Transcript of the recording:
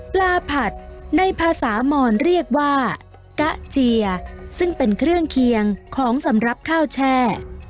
ผัดในภาษามอนเรียกว่ากะเจียซึ่งเป็นเครื่องเคียงของสำหรับข้าวแช่